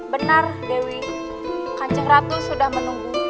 benar dewi kanjeng ratu sudah menunggu